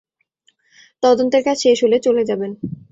তদন্তের কাজ শেষ হলে চলে যাবেন।